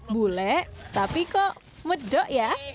bule tapi kok medok ya